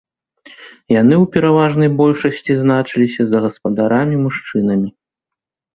Яны ў пераважнай большасці значыліся за гаспадарамі-мужчынамі.